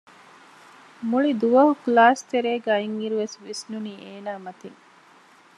މުޅި ދުވަހު ކްލާސްތެރޭ އިން އިރު ވިސްނުނީ އޭނާ މަތިން